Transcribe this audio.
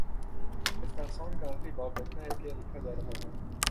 اس داستان کا آخری باب، لگتا ہے کہ لکھا جا رہا ہے۔